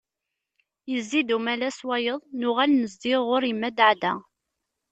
Yezzi-d umalas wayeḍ nuɣal nezzi ɣur yemma Daɛda.